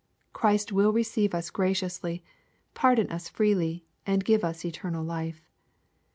Christ will receive us gra ciously, pardon us freely, and give us eternal life.